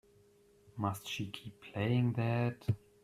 Must she keep playing that?